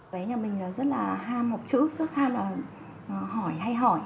bé nhà mình rất là ham học chữ rất ham hỏi hay hỏi